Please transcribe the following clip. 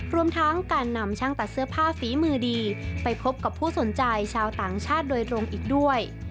รวมทั้งการนำช่างตัดเสื้อผ้าฝีมือดีไปพบกับผู้สนใจชาวต่างชาติโดยตรงอีกด้วย